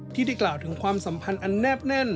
ที่ได้กล่าวถึงความสัมพันธ์อันแนบแน่น